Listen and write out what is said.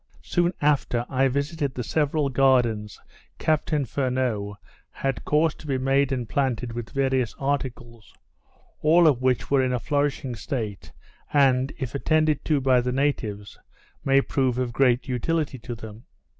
Soon after I visited the several gardens Captain Furneaux had caused to be made and planted with various articles; all of which were in a flourishing state, and, if attended to by the natives, may prove of great utility to them.